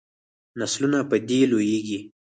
نسلونه په دې لویږي.